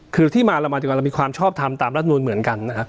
คือที่มาเรามาถึงเรามีความชอบทำตามรัฐมนุนเหมือนกันนะฮะ